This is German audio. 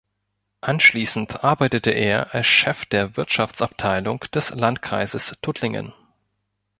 Anschließend arbeitete er als Chef der Wirtschaftsabteilung des Landkreises Tuttlingen.